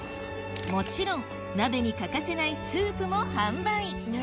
もちろん鍋に欠かせないスープも販売